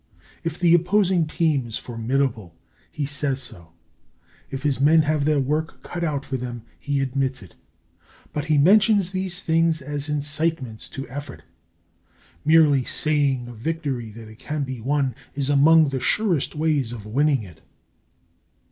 If the opposing team is formidable, he says so; if his men have their work cut out for them, he admits it; but he mentions these things as incitements to effort. Merely saying of victory that it can be won is among the surest ways of winning it.